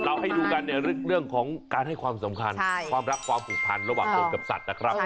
ให้ดูกันในเรื่องของการให้ความสำคัญความรักความผูกพันระหว่างคนกับสัตว์นะครับ